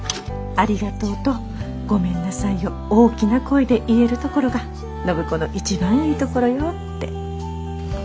「ありがとう」と「ごめんなさい」を大きな声で言えるところが暢子の一番いいところよって。